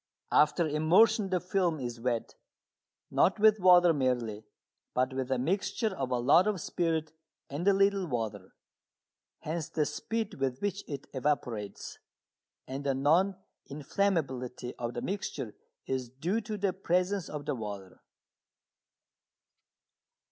After immersion the film is wet, not with water merely, but with a mixture of a lot of spirit and a little water. Hence the speed with which it evaporates. And the non inflammability of the mixture is due to the presence of the water.